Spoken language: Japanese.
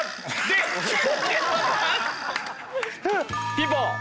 ピンポン！